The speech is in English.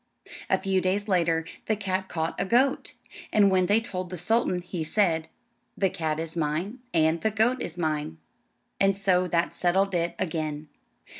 A few days later the cat caught a goat; and when they told the sultan he said, "The cat is mine, and the goat is mine;" and so that settled it again.